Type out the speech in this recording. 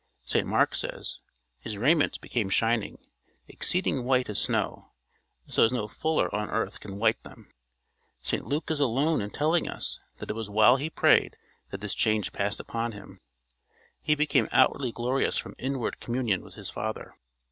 St Mark says, "His raiment became shining, exceeding white as snow, so as no fuller on earth can white them." St Luke is alone in telling us that it was while he prayed that this change passed upon him. He became outwardly glorious from inward communion with his Father.